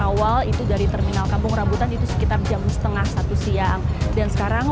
awal itu dari terminal kampung rambutan itu sekitar jam setengah satu siang dan sekarang